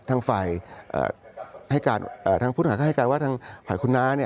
ทางฝ่ายทางผู้ต้องหาก็ให้การว่าทางฝ่ายคุณน้า